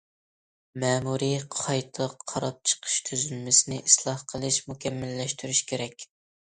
مەمۇرىي قايتا قاراپ چىقىش تۈزۈلمىسىنى ئىسلاھ قىلىش، مۇكەممەللەشتۈرۈش كېرەك.